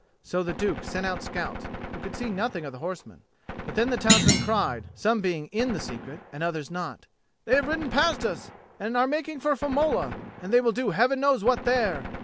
So the Duke sent out scouts, who could see nothing of the horsemen. But then the townsmen cried, some being in the secret, others not, "Then they have ridden past us, and are making for Firmola. And they will do Heaven knows what there.